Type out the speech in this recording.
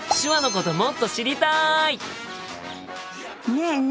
ねえね